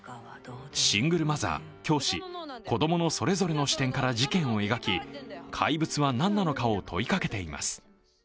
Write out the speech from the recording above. シングルマザー、教師、子供のそれぞれの視点から描き「怪物」は何なのかを問いかけています。